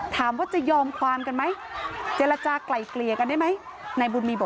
ถามว่าจะยอมความกันไหม